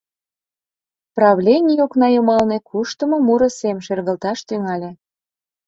Правлений окна йымалне куштымо муро сем шергылташ тӱҥале.